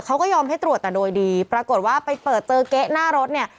เขาก็ยอมให้ตรวจแต่โดยดีปรากฏว่าไปเปิดเจอเก๊ะหน้ารถเนี่ย